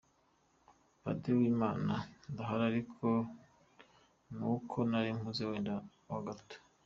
Padiri Uwimana: Ndahari ariko nuko nari mpuze wenda ho gato.